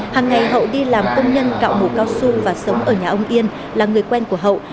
hàng ngày hậu đi làm công nhân cạo mũ cao su và sống ở nhà ông yên là người quen của hậu